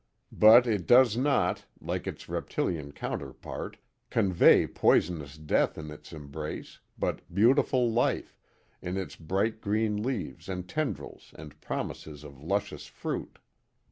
But it does not, like its reptilian counterpart, convey poisonous death in its embrace, but beautiful life, in its bright green leaves and tendrils and promises of luscious fruit.